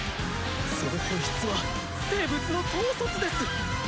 その本質は生物の「統率」です！